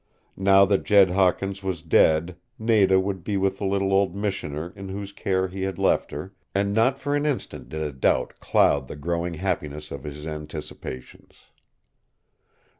Now that Jed Hawkins was dead Nada would be with the little old Missioner in whose care he had left her, and not for an instant did a doubt cloud the growing happiness of his anticipations.